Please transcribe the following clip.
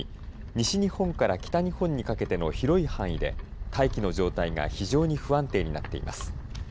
西日本から北日本にかけての広い範囲で大気の状態が非常に不安定になっています。